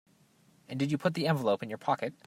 And did you put the envelope in your pocket?